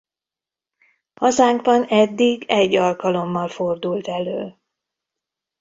Hazánkban eddig egy alkalommal fordult elő.